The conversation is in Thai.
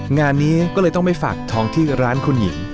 งานนี้ก็เลยต้องไปฝากทองที่ร้านคุณหญิง